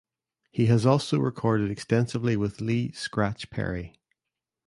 He also recorded extensively with Lee "Scratch" Perry.